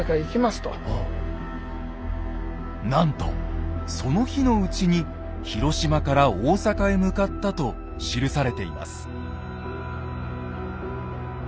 なんとその日のうちに広島から大坂へ向かったと記されています。